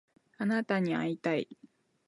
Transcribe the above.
あなたに会いたい